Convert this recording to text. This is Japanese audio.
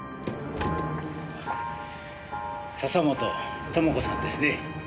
笹本智子さんですね？